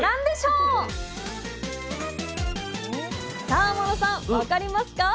さあ天野さん分かりますか？